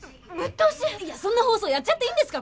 いやそんな放送やっちゃっていいんですか？